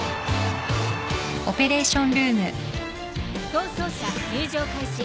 逃走者入場開始。